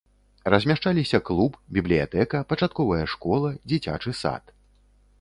Размяшчаліся клуб, бібліятэка, пачатковая школа, дзіцячы сад.